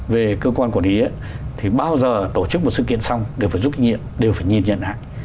về cơ quan quản lý thì bao giờ tổ chức một sự kiện xong đều phải rút kinh nghiệm đều phải nhìn nhận lại